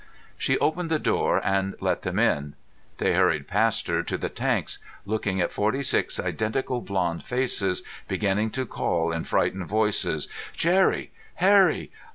She opened the door and let them in. They hurried past her to the tanks, looking at forty six identical blond faces, beginning to call in frightened voices: "Jerry!" "Harry!"